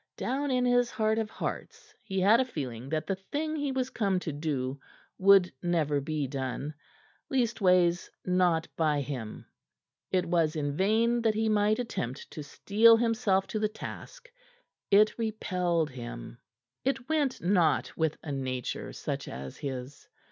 Down in his heart of hearts he had a feeling that the thing he was come to do would never be done leastways, not by him. It was in vain that he might attempt to steel himself to the task. It repelled him. It went not with a nature such as his.